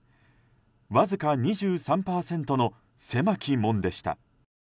わずか２３％の狭き門でした。